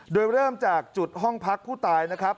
โดยเริ่มจากจุดห้องพักผู้ตายนะครับ